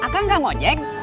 kang gak mau jeng